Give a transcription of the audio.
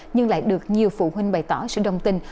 nhưng lại được nhiều phụ huynh bày tỏ sự đồng tình